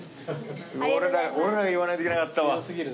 俺らが言わないといけなかったわ。